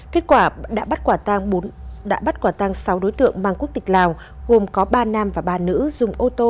kết quả đã bắt quả tăng sáu đối tượng mang quốc tịch lào gồm có ba nam và ba nữ dùng ô tô